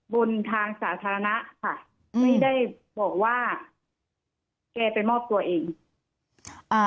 บนทางสาธารณะค่ะไม่ได้บอกว่าแกไปมอบตัวเองอ่า